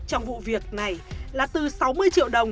trong vụ việc này là từ sáu mươi triệu đồng